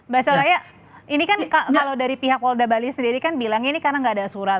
mbak soraya ini kan kalau dari pihak polda bali sendiri kan bilangnya ini karena nggak ada surat